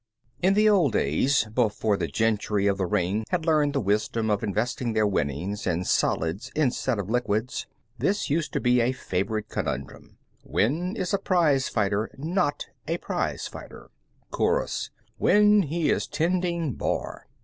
In the old days, before the gentry of the ring had learned the wisdom of investing their winnings in solids instead of liquids, this used to be a favorite conundrum: When is a prize fighter not a prize fighter? Chorus: When he is tending bar.